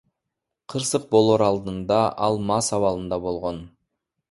Кырсык болоор алдында ал мас абалында болгон.